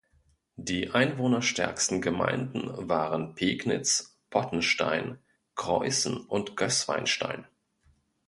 Die einwohnerstärksten Gemeinden waren Pegnitz, Pottenstein, Creußen und Gößweinstein.